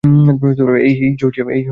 এই, জর্জিয়া।